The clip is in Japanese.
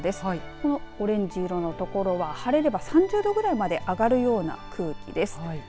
このオレンジ色の所は晴れれば３０度ぐらいまで上がるような空気です。